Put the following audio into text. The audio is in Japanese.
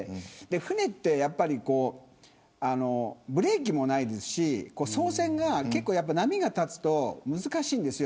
船ってブレーキもないですし操船が波が立つと難しいんです。